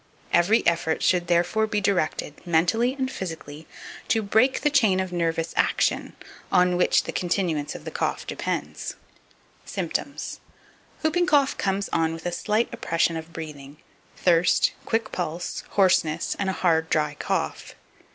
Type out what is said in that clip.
Every effort should, therefore, be directed, mentally and physically, to break the chain of nervous action, on which the continuance of the cough depends. 2565. Symptoms. Hooping cough comes on with a slight oppression of breathing, thirst, quick pulse, hoarseness, and a hard, dry cough.